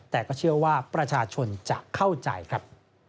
แต่ก็เชื่อว่าประชาชนจะเข้าใจครับ